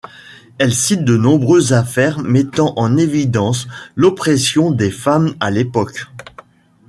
Elle cite de nombreuses affaires mettant en évidence l'oppression des femmes à l'époque.